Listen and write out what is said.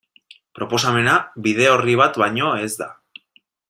Proposamena bide orri bat baino ez da.